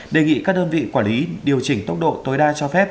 đề nghị các đơn vị quản lý điều chỉnh tốc độ tối đa cho phép